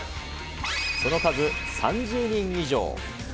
その数、３０人以上。